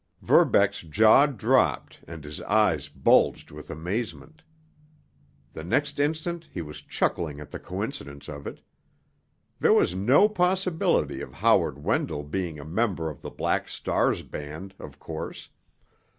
Verbeck's jaw dropped and his eyes bulged with amazement. The next instant he was chuckling at the coincidence of it. There was no possibility of Howard Wendell being a member of the Black Star's band, of course.